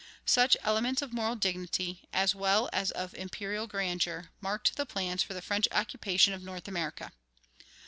Such elements of moral dignity, as well as of imperial grandeur, marked the plans for the French occupation of North America.